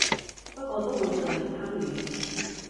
不過都會盡力參與